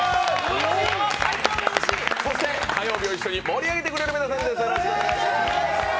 そして火曜日を一緒に盛り上げてくれる皆さんです。